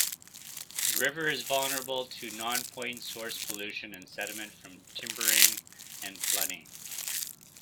The river is vulnerable to Nonpoint source pollution and sediment from timbering and flooding.